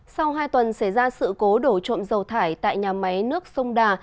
sau hai tuần xảy ra sự cố đổ trộm dầu thải tại nhà máy nước sông đà